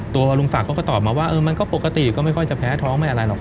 ลุงศักดิ์เขาก็ตอบมาว่ามันก็ปกติก็ไม่ค่อยจะแพ้ท้องไม่อะไรหรอก